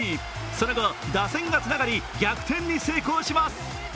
その後、打線がつながり逆転に成功します。